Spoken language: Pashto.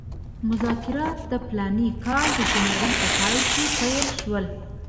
مذاکرات د فلاني کال د جنورۍ په پای کې پیل شول.